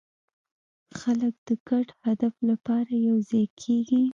خلک د ګډ هدف لپاره یوځای کېږي.